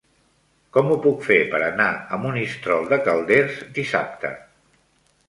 Com ho puc fer per anar a Monistrol de Calders dissabte?